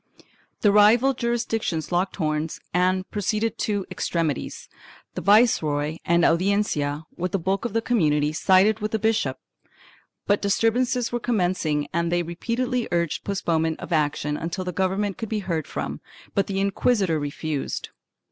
The rival jurisdictions locked horns and proceeded to extremities. The viceroy and Audiencia, with the bulk of the community, sided with the bishop, but disturbances were commencing and they repeatedly urged postponement of action until the govern ment could be heard from, but the inquisitor refused.